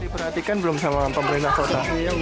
kamu kan belum sama pemerintah kota